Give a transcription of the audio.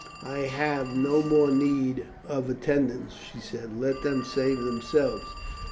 'I have no more need of attendants,' she said; 'let them save themselves.